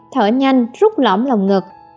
thở nhanh rút lõm lòng ngực